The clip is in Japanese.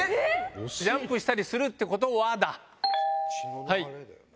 ジャンプしたりするってことはだ。